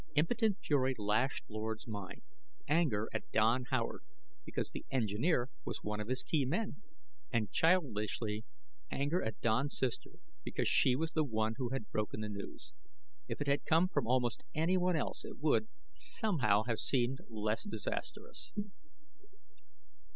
Impotent fury lashed Lord's mind anger at Don Howard, because the engineer was one of his key men; and, childishly, anger at Don's sister because she was the one who had broken the news. If it had come from almost anyone else it would, somehow, have seemed less disastrous.